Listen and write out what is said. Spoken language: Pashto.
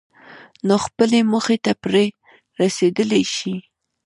نو خپلې موخې ته پرې رسېدلای شئ.